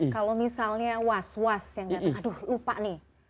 kalau misalnya was was yang datang aduh lupa nih